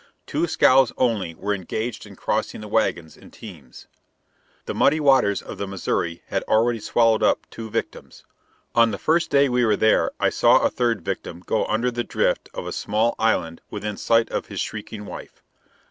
Two scows only were engaged in crossing the wagons and teams. The muddy waters of the Missouri had already swallowed up two victims. On the first day we were there, I saw a third victim go under the drift of a small island within sight of his shrieking wife.